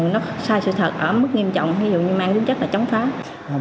nó sai sự thật ở mức nghiêm trọng ví dụ như mang tính chất là chống phá